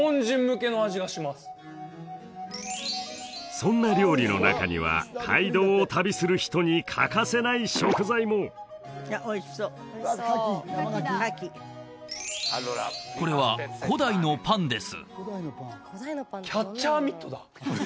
そんな料理の中には街道を旅する人に欠かせない食材もこれは古代のパンです